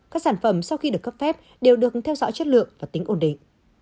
các sản phẩm sau khi được cấp phép đều được theo dõi chất lượng và tính ổn định